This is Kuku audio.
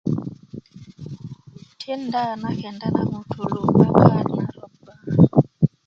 tinda na kenda na ŋutulú 'bakan na ropa